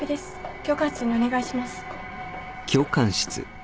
教官室にお願いします。